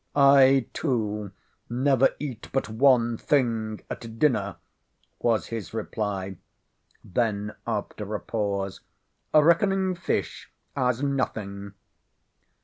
"I too never eat but one thing at dinner"—was his reply—then after a pause—"reckoning fish as nothing."